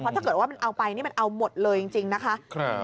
ถ้าเกิดว่ามันเอาไปนี่มันเอาหมดเลยจริงนะคะ